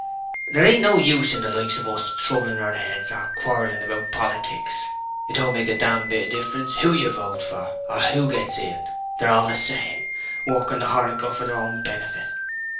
'There ain't no use in the likes of us trubblin our 'eds or quarrelin about politics. It don't make a dam bit of difference who you votes for or who gets in. They're hall the same; workin the horicle for their own benefit.